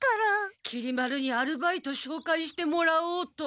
きり丸にアルバイトしょうかいしてもらおうと。